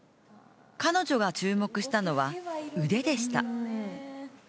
彼女が注目したのは、腕でした。